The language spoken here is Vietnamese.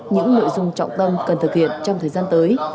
những nội dung trọng tâm cần thực hiện trong thời gian tới